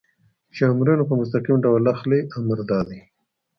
چې امرونه په مستقیم ډول اخلئ، امر دا دی.